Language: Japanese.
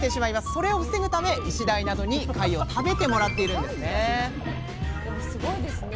それを防ぐためイシダイなどに貝を食べてもらっているんですねでもすごいですね